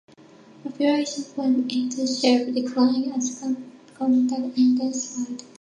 Populations went into sharp decline as contact intensified.